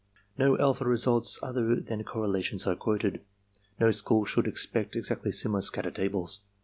No alpha results other than correlations are quoted. No school should expect exactly amilar scatter tables.